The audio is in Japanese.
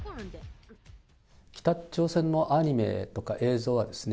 北朝鮮のアニメとか映像はですね、